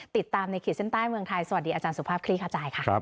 ติดตามในขีดเส้นใต้เมืองไทยสวัสดีอาจารย์สุภาพคลี่ขจายค่ะ